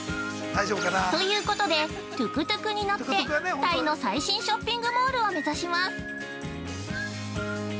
◆ということでトゥクトゥクに乗ってタイの最新ショッピングモールを目指します。